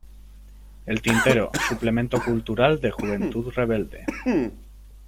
El Tintero, suplemento cultural de Juventud Rebelde.